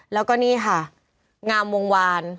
แล้วก็นี่ค่ะงามวงวาน